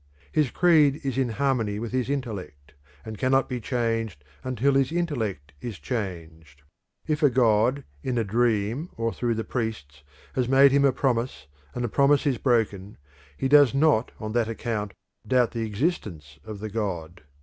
His creed is in harmony with his intellect, and cannot be changed until his intellect is changed. If a god in a dream, or through the priests, has made him a promise and the promise is broken, he does not on that account doubt the existence of the god.